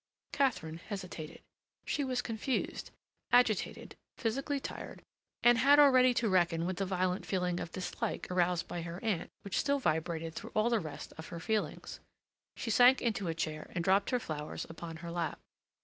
Katharine hesitated. She was confused, agitated, physically tired, and had already to reckon with the violent feeling of dislike aroused by her aunt which still vibrated through all the rest of her feelings. She sank into a chair and dropped her flowers upon her lap.